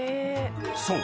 ［そう。